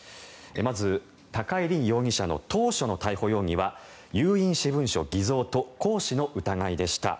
まず、高井凜容疑者の当初の逮捕容疑は有印私文書偽造と行使の疑いでした。